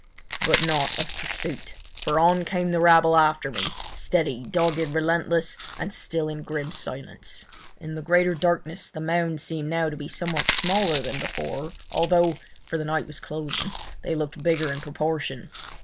But not of pursuit, for on came the rabble after me, steady, dogged, relentless, and still in grim silence. In the greater darkness the mounds seemed now to be somewhat smaller than before, although—for the night was closing—they looked bigger in proportion.